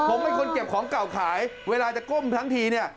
ผมเป็นคนเก็บของเก่าขายเวลาจะก้มทั้งทีเนี่ย